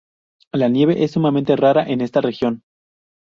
La nieve es sumamente rara en esta región.